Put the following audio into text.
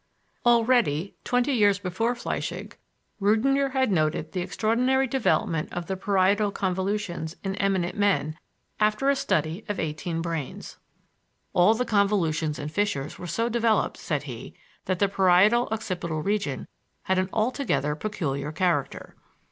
Already, twenty years before Flechsig, Rüdinger had noted the extraordinary development of the parietal convolutions in eminent men after a study of eighteen brains. All the convolutions and fissures were so developed, said he, that the parieto occipital region had an altogether peculiar character.